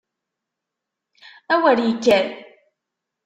A wer ikker!